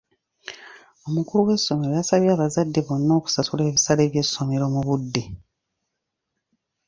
Omukulu w'essomero yasabye abazadde bonna okusasula ebisale by'essomero mu budde.